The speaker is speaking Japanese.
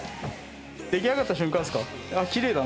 出来上がった瞬間ですか？